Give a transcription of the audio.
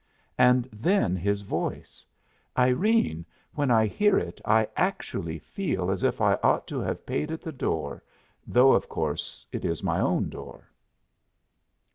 And then his voice Irene, when I hear it I actually feel as if I ought to have paid at the door, though of course it is my own door.